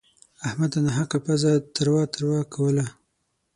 احمد ناحقه پزه تروه تروه کوله.